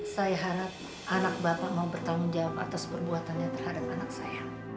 saya harap anak bapak mau bertanggung jawab atas perbuatannya terhadap anak saya